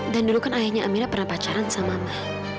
dan dulu kan ayahnya amira pernah pacaran sama mama